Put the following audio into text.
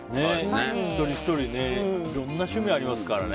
一人ひとりにいろんな趣味がありますからね。